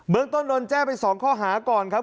เมืองต้นโดนแจ้งไป๒ข้อหาก่อนครับ